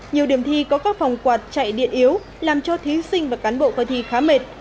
nhiều điểm thi có các phòng quạt chạy điện yếu làm cho thí sinh và cán bộ coi thi khá mệt